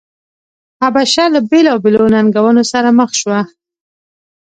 حبشه له بېلابېلو ننګونو سره مخ شوه.